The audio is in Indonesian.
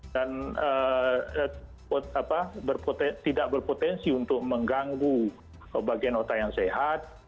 tidak berpotensi untuk mengganggu bagian otak yang sehat